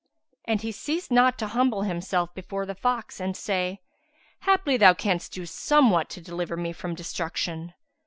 '" And he ceased not to humble himself before the fox and say, "Haply, thou canst do somewhat to deliver me from destruction."